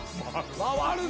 回るね。